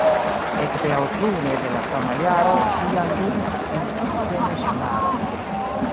Ekde aŭtune de la sama jaro ŝi jam ludis en Temeŝvaro.